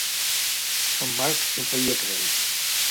El Marc se'n feia creus.